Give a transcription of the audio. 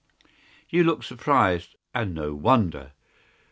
"You look surprised, and no wonder!